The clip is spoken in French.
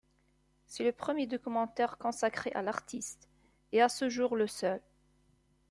C’est le premier documentaire consacré à l’artiste, et à ce jour le seul.